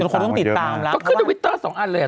เป็นคนต้องติดงานแล้วจะขึ้นได้ทริพิวเตอร์สองอันเลยอะ